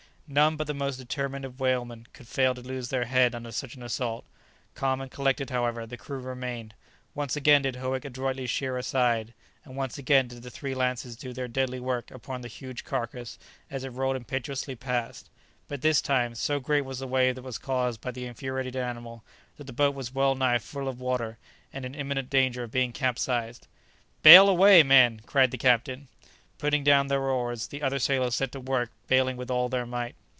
None but the most determined of whalemen could fail to lose their head under such an assault. Calm and collected, however, the crew remained. Once again did Howick adroitly sheer aside, and once again did the three lances do their deadly work upon the huge carcase as it rolled impetuously past; but this time, so great was the wave that was caused by the infuriated animal, that the boat was well nigh full of water, and in imminent danger of being capsized. "Bale away, men!" cried the captain. Putting down their oars, the other sailors set to work baling with all their might.